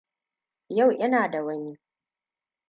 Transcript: Yau ina da wani.